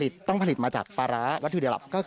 ต้องผลิตมาจากปลาร้าวัตถุดิหลับ